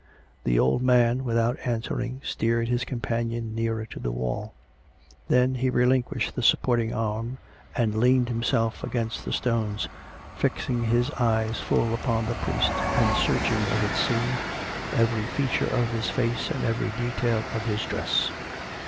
The old man, without answering, steered his companion nearer to the wall ; then he relinquished the supporting arm, and leaned himself against the stones, fixing his eyes full upon the priest, and searching, as it seemed, every feature of his face and every detail of his dress.